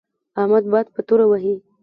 احمد باد په توره وهي.